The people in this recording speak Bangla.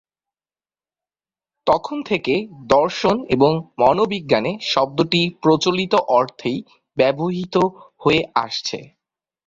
তখন থেকে দর্শন এবং মনোবিজ্ঞানে শব্দটি প্রচলিত অর্থেই ব্যবহৃত হয়ে আসছে।